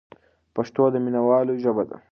پښتو د مینوالو ژبه ده.